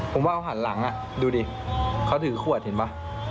ผมว่าเขาหันหลังดูดิเขาถือขวดเห็นป่ะ